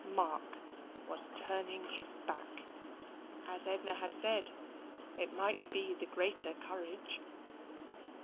Mark was turning his back. As Edna had said, it might be the greater courage.